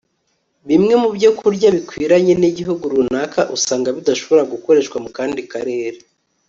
bimwe mu byokurya bikwiranye n'igihugu runaka usanga bidashobora gukoreshwa mu kandi karere